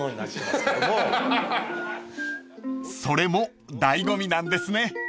［それも醍醐味なんですね］